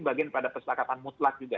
bagian pada persakatan mutlak juga